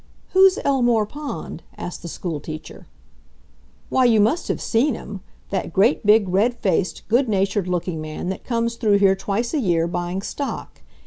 "Who's Elmore Pond?" asked the schoolteacher. "Why, you must have seen him—that great, big, red faced, good natured looking man that comes through here twice a year, buying stock.